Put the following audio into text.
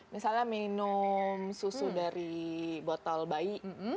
misalnya minum susu dari botol bayi